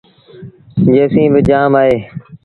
چپسيٚݩ با جآم اهيݩ ۔